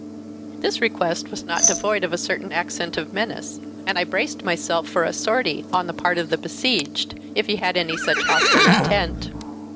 This request was not devoid of a certain accent of menace, and I braced myself for a sortie on the part of the besieged, if he had any such hostile intent.